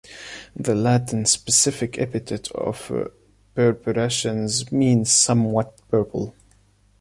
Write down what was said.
The Latin specific epithet of "purpurascens" means somewhat purple.